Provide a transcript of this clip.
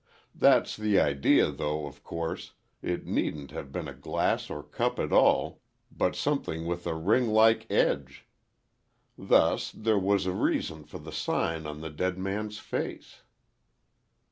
That's the idea, though, of course, it needn't have been a glass or cup at all, but something with a ring like edge. Thus, there was a reason for the sign on the dead man's face."